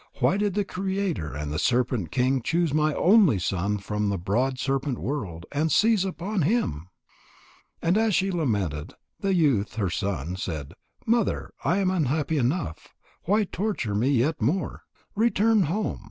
Why did the Creator and the serpent king choose my only son from the broad serpent world, and seize upon him?" And as she lamented, the youth, her son, said: "Mother, I am unhappy enough. Why torture me yet more? Return home.